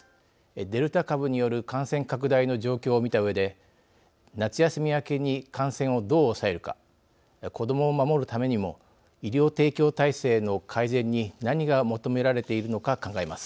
デルタ株による感染拡大の状況を見たうえで夏休み明けに感染をどう抑えるか子どもを守るためにも医療提供体制の改善に何が求められているのか考えます。